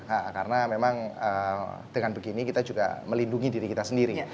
nah karena memang dengan begini kita juga melindungi diri kita sendiri